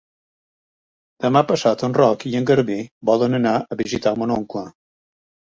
Demà passat en Roc i en Garbí volen anar a visitar mon oncle.